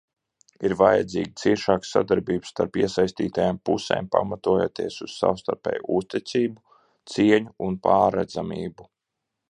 Ir vajadzīga ciešāka sadarbība starp iesaistītajām pusēm, pamatojoties uz savstarpēju uzticību, cieņu un pārredzamību.